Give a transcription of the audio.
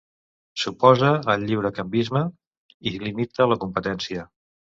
S'oposa al lliurecanvisme i limita la competència.